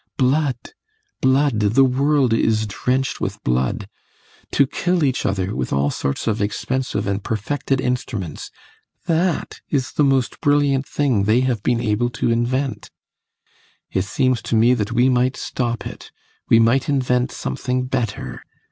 Blood, blood the world is drenched with blood! To kill each other, with all sorts of expensive and perfected instruments, that is the most brilliant thing they have been able to invent. It seems to me that we might stop it, we might invent something better.